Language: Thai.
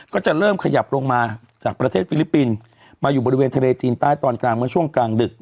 ก็จะเริ่มขยับลงมาจากประเทศฟิลิปปินส์มาอยู่บริเวณทะเลจีนใต้ตอนกลางเมื่อช่วงกลางดึก